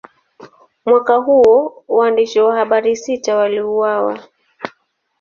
Mwaka huo, waandishi wa habari sita waliuawa.